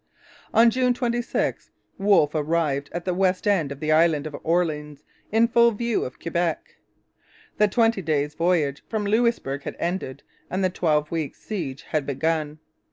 On June 26 Wolfe arrived at the west end of the island of Orleans, in full view of Quebec. The twenty days' voyage from Louisbourg had ended and the twelve weeks' siege had begun.